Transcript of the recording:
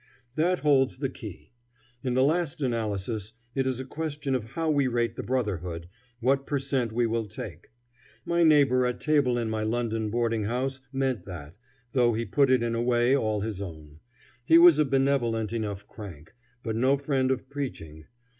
That holds the key. In the last analysis it is a question of how we rate the brotherhood, what per cent we will take. My neighbor at table in my London boarding house meant that, though he put it in a way all his own. He was a benevolent enough crank, but no friend of preaching.